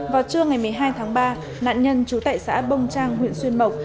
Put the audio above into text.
vào trưa ngày một mươi hai tháng ba nạn nhân trú tại xã bông trang huyện xuyên mộc